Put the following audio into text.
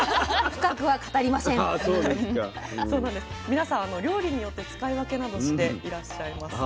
皆さん料理によって使い分けなどしていらっしゃいます。